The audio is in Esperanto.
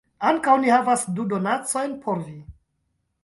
Ankaŭ ni havas du donacojn por vi